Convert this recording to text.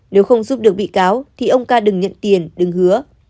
nếu không giúp được bị cáo thì ông ca đừng nhận tiền đứng hứa